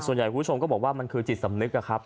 ส่วนใหญ่ผู้ชมก็บอกว่ามันคือจิตสำนึกครับ